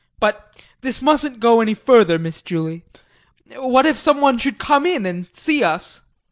But this mustn't go any further, Miss Julie. What if someone should come in and see us?